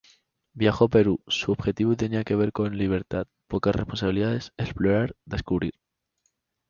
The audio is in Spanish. Viajó a Perú, su objetivo tenía que ver con libertad, pocas responsabilidades, explorar, descubrir.